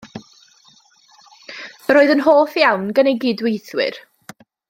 Yr oedd yn hoff iawn gan ei gydweithwyr.